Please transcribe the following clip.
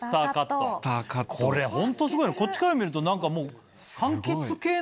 これホントすごいこっちから見ると何か。